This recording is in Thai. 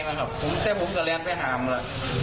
ผมเสร็จผมก็แลนด์ไปหามันแหละ